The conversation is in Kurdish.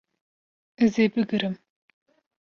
Ez ê bigirim